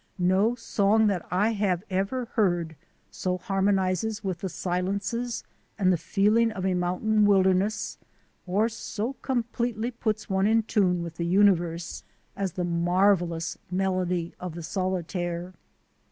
No song that I have ever heard so harmonizes with the si lences and the feeling of a mountain wilderness or so completely puts one in tune with the universe as the marvellous melody of the solitaire.